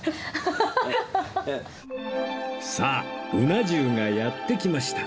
さあうな重がやってきました